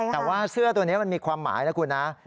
แต่ว่าเสื้อตัวนี้มันมีความหมายนะคุณนะ